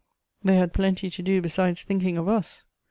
They had plenty to do besides thinking of us!